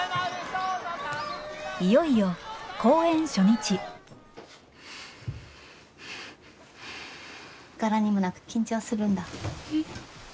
いよいよ公演初日柄にもなく緊張するんだ。え。